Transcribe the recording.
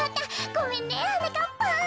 ごめんねはなかっぱん。